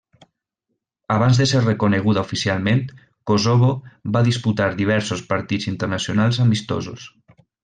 Abans de ser reconeguda oficialment, Kosovo va disputar diversos partits internacionals amistosos.